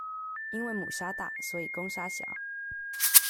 因為母鯊大，所以公鯊小